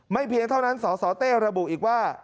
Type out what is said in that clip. เพียงเท่านั้นสสเต้ระบุอีกว่า